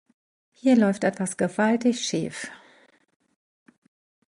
Hier läuft etwas gewaltig schief.